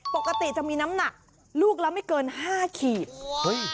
ปกติจะมีน้ำหนักลูกละไม่เกินห้าขีดเฮ้ย